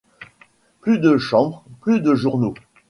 Plus de Chambre, plus de journaux !